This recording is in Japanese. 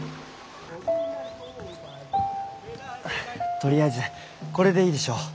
とりあえずこれでいいでしょう。